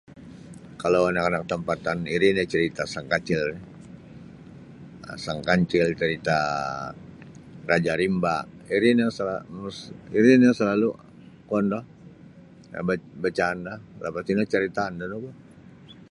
Kalau anak-anak tempatan iri nio carita Sang Kancil ri um Sang Kancil ceritaa Raja Rimba iri nio sa selalu kuon do bacaan do lapas tino caritaan do nogu.